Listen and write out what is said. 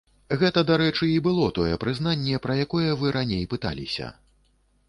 Гэта, дарэчы, і было тое прызнанне, пра якое вы раней пыталіся.